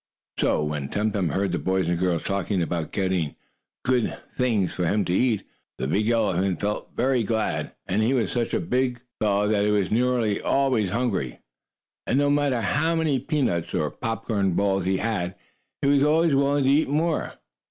When Tum Tum heard the boy and girl talking about getting him good things to eat, the big elephant felt very glad. For he was such a big fellow that he was nearly always hungry, and, no matter how many peanuts or popcorn balls he had, he was always willing to eat more.